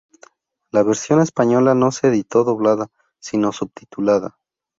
La versión española no se editó doblada, sino subtitulada.